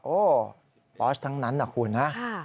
โอ๊ยปอร์ชทั้งนั้นน่ะคุณนะ